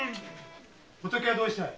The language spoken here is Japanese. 仏はどうしたい？